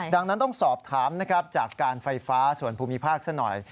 ดังนั้นต้องสอบถามนะครับจากการไฟฟ้าส่วนภูมิภาคซะหน่อย